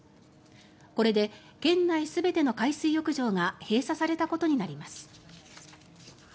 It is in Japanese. これで県内全ての海水浴場が閉鎖されたことになります。